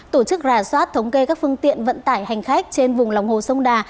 tổ chức rà soát thống kê các phương tiện vận tải hành khách trên vùng lòng hồ sông đà